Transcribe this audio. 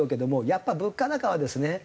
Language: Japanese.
やっぱ物価高はですね